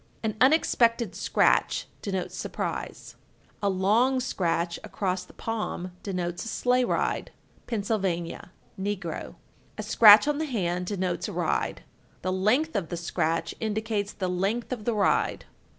1364. An unexpected scratch denotes surprise. 1365. A long scratch across the palm denotes a sleigh ride. Pennsylvania (negro). 1366. A scratch on the hand denotes a ride; the length of the scratch indicates the length of the ride.